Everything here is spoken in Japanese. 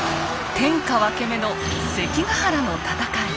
天下分け目の関ヶ原の戦い。